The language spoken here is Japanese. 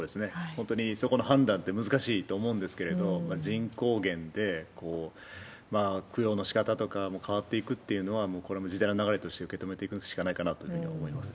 本当にそこの判断って難しいと思うんですけれども、人口減で供養のしかたとかも変わっていくっていうのは、もうこれも時代の流れとして受け止めていくしかないかなというふ